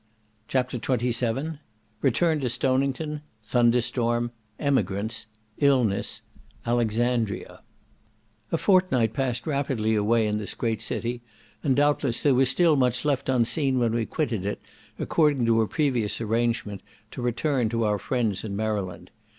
CHAPTER XXVII Return to Stonington—Thunderstorm—Emigrants—Illness—Alexandria A fortnight passed rapidly away in this great city, and, doubtless, there was still much left unseen when we quitted it, according to previous arrangement, to return to our friends in Maryland.